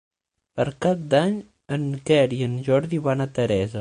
Per Cap d'Any en Quer i en Jordi van a Teresa.